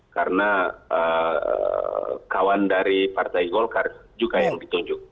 karena kawan dari partai golkar juga yang ditunjuk